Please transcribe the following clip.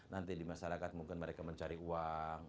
nanti di masyarakat mungkin mereka mencari uang